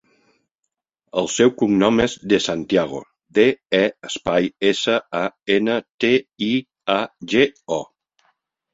El seu cognom és De Santiago: de, e, espai, essa, a, ena, te, i, a, ge, o.